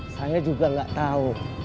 saya juga nggak tahu